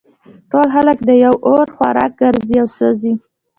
ټول خلک د یوه اور خوراک ګرځي او سوزي